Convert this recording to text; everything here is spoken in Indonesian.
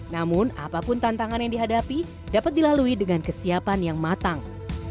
namun apapun tantangan yang dihadapi dapat dilalui dengan kesiapan yang matang